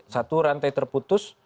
satu rantai terputus